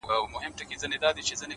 جرس فرهاد زما نژدې ملگرى!